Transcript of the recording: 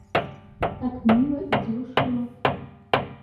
Так мило и дешево.